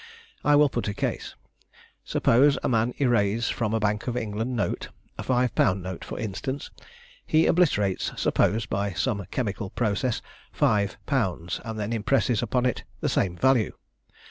I will put a case, Suppose a man erase from a Bank of England note, a five pound note for instance; he obliterates, suppose, by some chemical process, Five Pounds, and then impresses upon it the same value.